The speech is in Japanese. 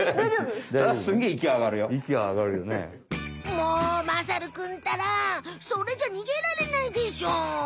もうまさるくんったらそれじゃにげられないでしょ！